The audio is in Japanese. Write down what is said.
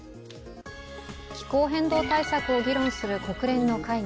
気候変動対策を議論する国連の会議